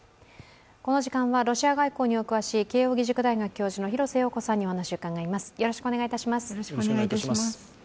この時間は、ロシア外交にお詳しい慶応義塾大学教授の廣瀬陽子さんにお話を伺います。